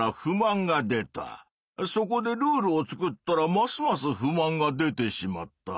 そこでルールを作ったらますます不満が出てしまった。